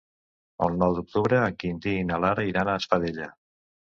El nou d'octubre en Quintí i na Lara iran a Espadella.